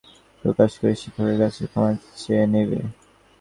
আশা করি, তুমি নিজের পরিচয় প্রকাশ করে শিক্ষকের কাছে ক্ষমা চেয়ে নেবে।